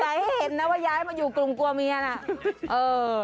ให้เห็นนะว่าย้ายมากลวงกัวเมียเนี่ยนะ